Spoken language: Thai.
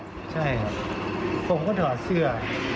ใช่ผมก็ถอดเสื้อ